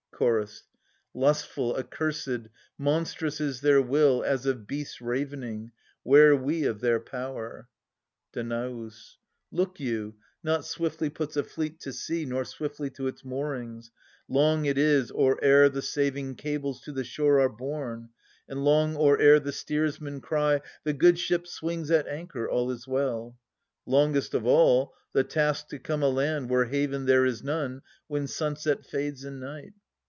Chorus. lustful, accursbd, monstrous is their will As of beasts ravening — 'ware we of their power ! Danaus. Look you, not swiftly puts a fleet to" sea, Nor swiftly to its moorings ; long it is Or e'er the saving cables to the shore Are borne, and long or e'er the steersmen cry, The good ship swings at anchor — all is well. I^ongest of all, the task to come aland Where haven there is none, when sunset fades In night.